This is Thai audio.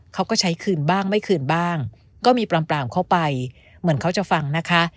เขาก็ใช้คืนบ้างไม่คืนบ้างก็มีปลามเข้าไปเหมือนเขาจะฟังนะคะ